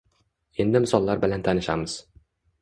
Endi misollar bilan tanishamiz